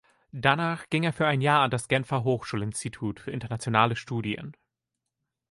Danach ging er für ein Jahr an das Genfer Hochschulinstitut für internationale Studien.